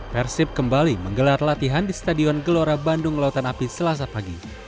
persib kembali menggelar latihan di stadion gelora bandung lautan api selasa pagi